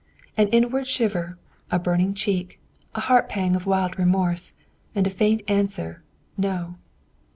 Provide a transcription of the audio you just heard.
An inward shiver, a burning cheek, a heartpang of wild remorse, and a faint answer. "No."